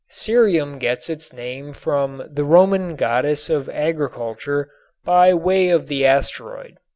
Cerium gets its name from the Roman goddess of agriculture by way of the asteroid.